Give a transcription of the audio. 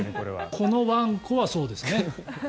このワンコはそうですね。